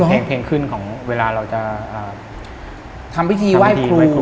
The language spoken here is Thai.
เพลงขึ้นของเวลาเราจะทำพิธีไหว้ครู